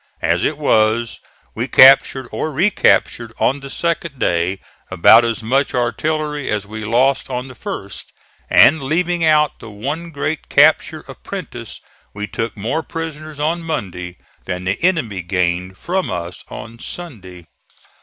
As it was, we captured or recaptured on the second day about as much artillery as we lost on the first; and, leaving out the one great capture of Prentiss, we took more prisoners on Monday than the enemy gained from us on Sunday.